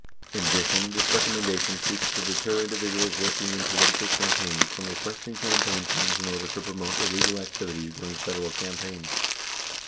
In addition, this recommendation seeks to deter individuals working in political campaigns from requesting campaign funds in order to promote illegal activities during Federal campaigns.